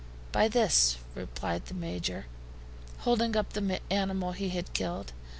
"By this," replied the Major, holding up the animal he had killed.